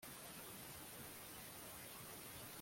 twagendeye muri dosiye imwe